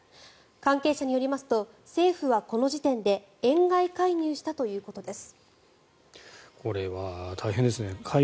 関係者によりますと政府はこの時点で円買い介入したということです。